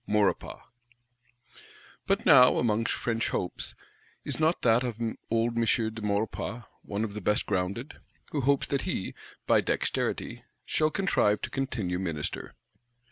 Maurepas. But now, among French hopes, is not that of old M. de Maurepas one of the best grounded; who hopes that he, by dexterity, shall contrive to continue Minister?